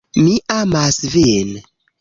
Mi amas vin